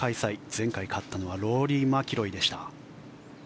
前回勝ったのはローリー・マキロイでした。